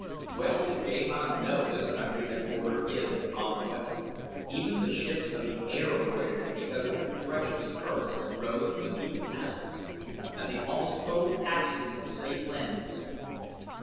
Well did Gahan know this country that bordered his upon the west even the ships of the air avoided it because of the treacherous currents that rose from the deep chasms, and the almost total absence of safe landings.